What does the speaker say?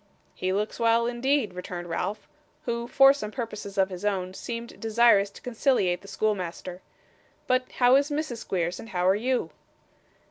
'He looks well, indeed,' returned Ralph, who, for some purposes of his own, seemed desirous to conciliate the schoolmaster. 'But how is Mrs Squeers, and how are you?